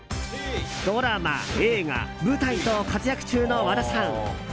ドラマ、映画、舞台と活躍中の和田さん。